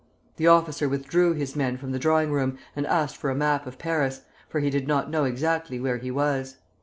The officer withdrew his men from the drawing room and asked for a map of Paris, for he did not know exactly where he was.